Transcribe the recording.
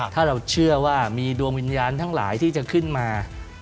ถ้าเราเชื่อว่ามีดวงวิญญาณทั้งหลายที่จะขึ้นมา